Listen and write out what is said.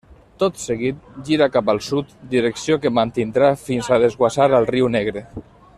Tot seguit gira cap al sud, direcció que mantindrà fins a desguassar al Riu Negre.